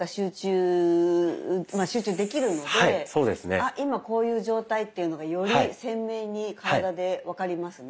「あ今こういう状態」っていうのがより鮮明に体で分かりますね。